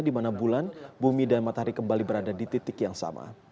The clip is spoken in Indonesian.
di mana bulan bumi dan matahari kembali berada di titik yang sama